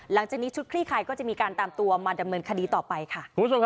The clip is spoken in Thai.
หลังจากนี้ชุดคลี่คลายก็จะมีการตามตัวมาดำเนินคดีต่อไปค่ะ